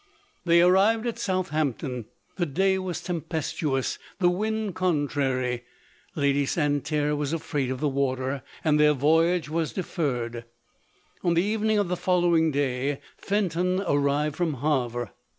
They arrived at Southampton ; the day was tempestuous, the wind contrary. Lady Santerre was afraid of the water, and their voyage was deferred. On the evening of the following day, Fenton arrived from Havre.